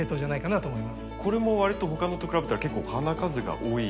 これもわりと他のと比べたら結構花数が多い。